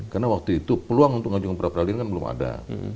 karena waktu itu peluang untuk ngajung peradilan belum ada